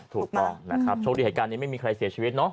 ถูกต้องนะครับโชคดีเหตุการณ์นี้ไม่มีใครเสียชีวิตเนาะ